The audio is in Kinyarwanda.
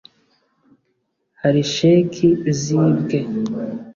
hari sheki zibwe